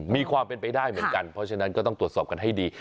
มีความเป็นไปได้เหมือนกันเพราะฉะนั้นก็ต้องตรวจสอบกันให้ดี